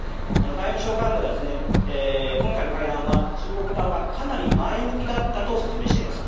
外務省幹部では今回の会談は中国側がかなり前向きだったと説明しています。